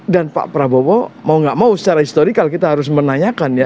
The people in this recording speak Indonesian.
pak prabowo mau gak mau secara historical kita harus menanyakan ya